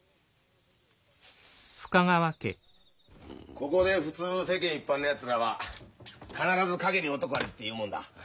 ・・ここで普通世間一般のやつらは必ず陰に男ありって言うもんだ。